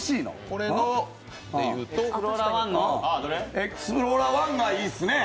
これので言うとエクスプローラーⅠがいいですね。